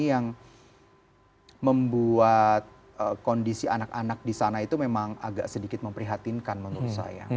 yang membuat kondisi anak anak di sana itu memang agak sedikit memprihatinkan menurut saya